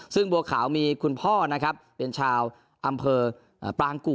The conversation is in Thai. ซึ่งบัวขาวมีคุณพ่อนะครับเป็นชาวอำเภอปรางกุ